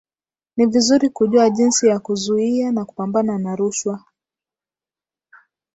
Ni vizuri kujua jinsi ya kuzuia na kupambana na rushwa